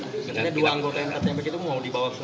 ini dua anggota yang tertembak itu mau dibawa ke